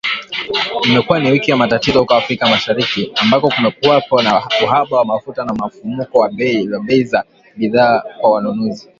Imekuwa ni wiki ya matatizo huko Afrika Mashariki, ambako kumekuwepo na uhaba wa mafuta na mfumuko wa bei za bidhaa kwa wanunuzi